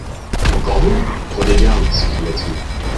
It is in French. Encore vous ? prenez garde ! s'écria-t-il.